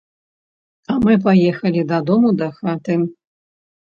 А мы паехалі дадому, да хаты.